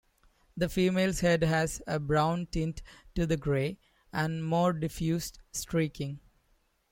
The female's head has a brown tint to the grey, and more diffused streaking.